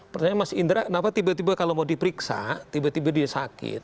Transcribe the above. pertanyaan mas indra kenapa tiba tiba kalau mau diperiksa tiba tiba dia sakit